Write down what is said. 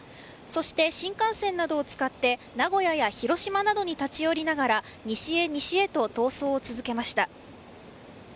そして、新幹線などを使って名古屋や広島などに立ち寄りながら西へ、西へと逃走を続けました。